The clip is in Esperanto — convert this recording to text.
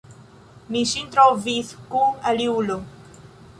Mi ŝin trovis kun aliulo.